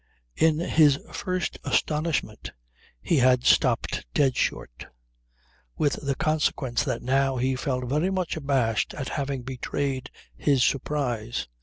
In his first astonishment he had stopped dead short, with the consequence that now he felt very much abashed at having betrayed his surprise.